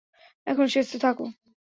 এখন, সেচতে থাকো।